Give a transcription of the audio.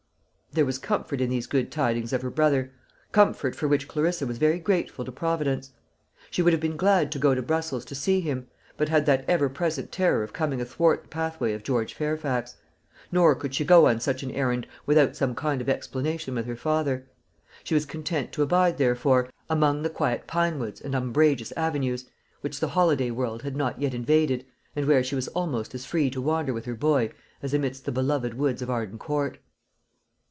There was comfort in these good tidings of her brother comfort for which Clarissa was very grateful to Providence. She would have been glad to go to Brussels to see him, but had that ever present terror of coming athwart the pathway of George Fairfax; nor could she go on such an errand without some kind of explanation with her father. She was content to abide, therefore, among the quiet pine woods and umbrageous avenues, which the holiday world had not yet invaded, and where she was almost as free to wander with her boy as amidst the beloved woods of Arden Court.